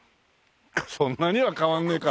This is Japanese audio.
そんなには変わんないか。